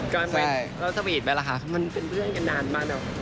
การไปสวีทไปแล้วค่ะมันเป็นเรื่องกันนานบ้างเนี่ย